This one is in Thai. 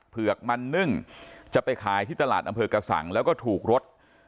เผือกมันนึ่งจะไปขายที่ตลาดอำเภอกระสังแล้วก็ถูกรถ